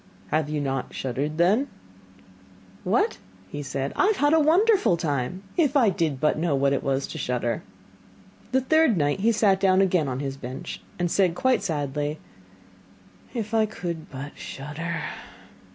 'Have you not shuddered then?' 'What?' said he, 'I have had a wonderful time! If I did but know what it was to shudder!' The third night he sat down again on his bench and said quite sadly: 'If I could but shudder.